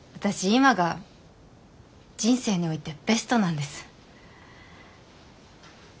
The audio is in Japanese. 今が人生においてベストなんです。